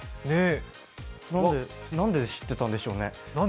なんで知ってたんでしょうね。